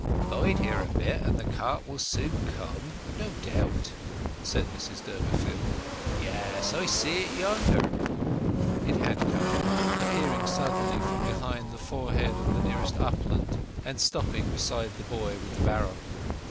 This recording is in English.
"Bide here a bit, and the cart will soon come, no doubt," said Mrs Durbeyfield. "Yes, I see it yonder!" It had come—appearing suddenly from behind the forehead of the nearest upland, and stopping beside the boy with the barrow.